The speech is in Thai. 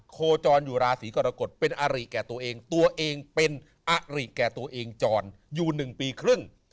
โคจรอยู่ราศีกรกฎเป็นอาริแก่ตัวเองตัวเองเป็นอริแก่ตัวเองจรอยู่๑ปีครึ่ง